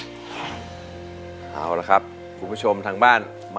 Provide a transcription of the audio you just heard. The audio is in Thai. เพื่อรับรองเหมือนเดิม